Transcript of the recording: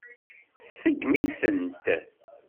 Tseggem-itent.